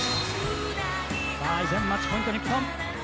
さあ依然マッチポイント日本！